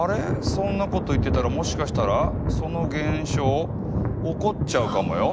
そんなこと言ってたらもしかしたらその現象起こっちゃうかもよ。